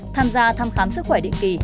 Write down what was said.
tham gia thăm khám sức khỏe định kỳ